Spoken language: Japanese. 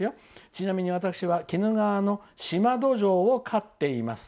ちなみに私は鬼怒川のシマドジョウを飼っています。